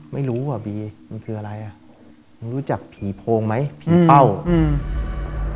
ไม่รู้อ่ะบีมันคืออะไรอ่ะมึงรู้จักผีโพงไหมผีเป้าอืม